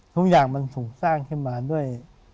ทุกอย่างมันถูกสร้างขึ้นมาด้วย